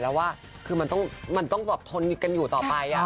แล้วว่าคือมันต้องแบบทนกันอยู่ต่อไป